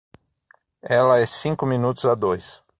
Ela é cinco minutos a dois.